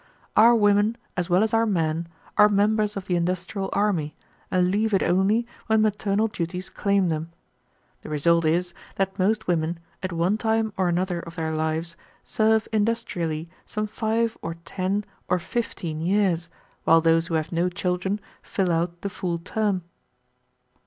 Our women, as well as our men, are members of the industrial army, and leave it only when maternal duties claim them. The result is that most women, at one time or another of their lives, serve industrially some five or ten or fifteen years, while those who have no children fill out the full term."